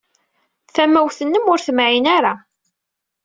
Tamawt-nnem ur temɛin ara.